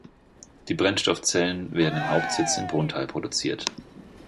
Die Brennstoffzellen werden im Hauptsitz in Brunnthal produziert.